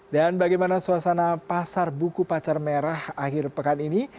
dan bagaimana suasana pasar buku pacar merah akhir pekan ini